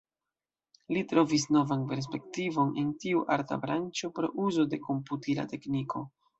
Li trovis novan perspektivon en tiu arta branĉo pro uzo de komputila tekniko.